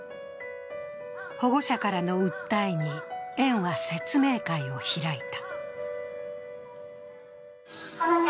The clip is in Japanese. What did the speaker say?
保護者からの訴えに、園は説明会を開いた。